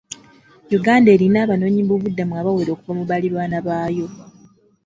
Uganda erina abanoonyiboobubudamu abawera okuva mu baliraanwa baayo.